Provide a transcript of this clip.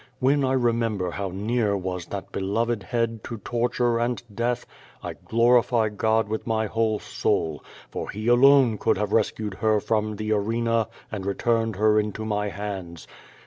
When I remember how near was that beloved head to torture and death, I glorify God with my whole soul, for He alone could have rescued her from the arena and returned her into my hands.